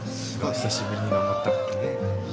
久しぶりに頑張った。